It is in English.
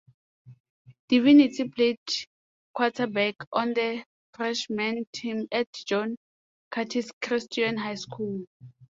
Divinity played quarterback on the freshman team at John Curtis Christian High School.